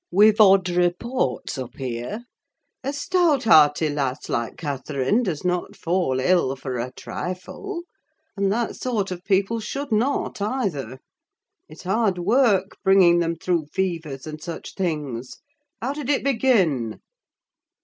We've odd reports up here. A stout, hearty lass like Catherine does not fall ill for a trifle; and that sort of people should not either. It's hard work bringing them through fevers, and such things. How did it begin?"